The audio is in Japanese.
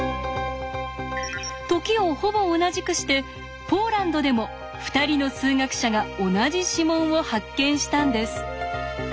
時をほぼ同じくしてポーランドでも２人の数学者が同じ指紋を発見したんです。